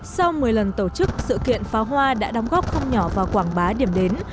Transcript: sau một mươi lần tổ chức sự kiện pháo hoa đã đóng góp không nhỏ vào quảng bá điểm đến